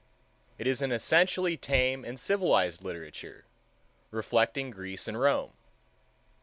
It is an essentially tame and civilized literature, reflecting Greece and Rome.